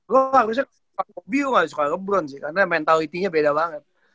lo harusnya suka kobe lo gak suka lebron sih karena mentalitinya beda banget